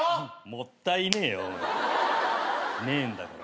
もったいねえよ。ねえんだから。